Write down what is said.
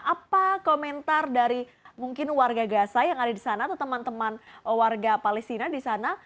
apa komentar dari mungkin warga gaza yang ada di sana atau teman teman warga palestina di sana